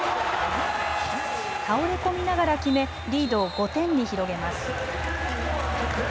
倒れ込みながら決め、リードを５点に広げます。